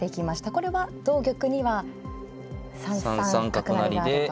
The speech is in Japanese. これは同玉には３三角成があると。